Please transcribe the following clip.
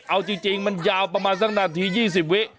เอาจริงมันยาวประมาณสักนาที๒๐วิ